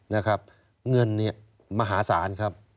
เงินมหาศาลครับ